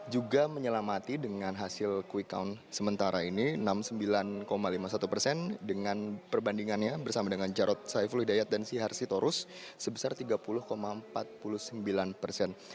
juga menyelamati dengan hasil quick count sementara ini enam puluh sembilan lima puluh satu persen dengan perbandingannya bersama dengan jarod saiful hidayat dan sihar sitorus sebesar tiga puluh empat puluh sembilan persen